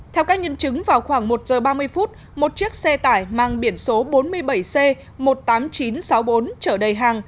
theo các nhân chứng vào khoảng một giờ ba mươi phút một chiếc xe tải mang biển số bốn mươi bảy c một mươi tám nghìn chín trăm sáu mươi bốn trở đầy hàng